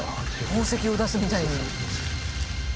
宝石を出すみたいに。